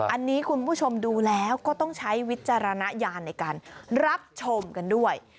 อันนี้คุณผู้ชมดูแล้วก็ต้องใช้วิจารณญาณในการรับชมกันด้วย